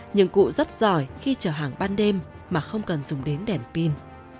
nhưng cụ rất giỏi khi chở hàng ban đêm mà không cần dùng đến đèn pin